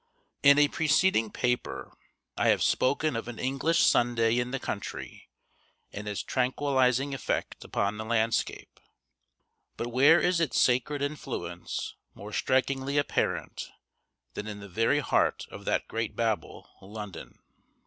IN a preceding paper I have spoken of an English Sunday in the country and its tranquillizing effect upon the landscape; but where is its sacred influence more strikingly apparent than in the very heart of that great Babel, London?